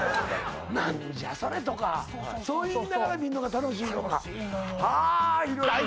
「何じゃそれ」とかそう言いながら見るのが楽しいのか楽しいのよはあ